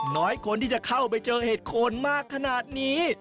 น้อยคนที่จะเข้าไปเจอเห็ดโคนมากขนาดนี้